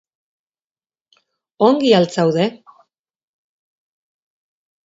Ongi al zaude?